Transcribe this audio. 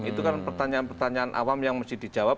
itu kan pertanyaan pertanyaan awam yang mesti dijawab